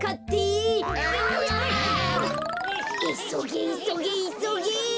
あちゃ！いそげいそげいそげ！